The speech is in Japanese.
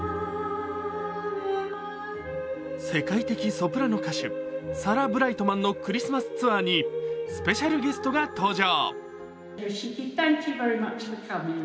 世界的ソプラノ歌手サラ・ブライトマンのクリスマスツアーに、スペシャルゲストが登場。